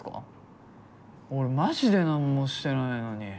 俺マジで何もしてないのに。